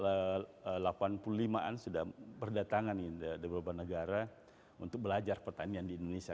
ya sejak tahun seribu sembilan ratus delapan puluh lima an sudah berdatangan di beberapa negara untuk belajar pertanian di indonesia